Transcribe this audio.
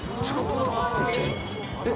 めっちゃうまい。